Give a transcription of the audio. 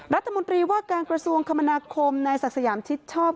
รัฐมนตรีว่าการกระทรวงคมนาคมนายศักดิ์สยามชิดชอบ